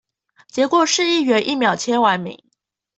結果市議員一秒簽完名